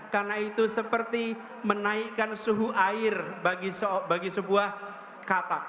karena itu seperti menaikkan suhu air bagi sebuah katak